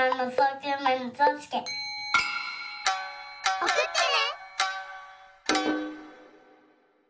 おくってね！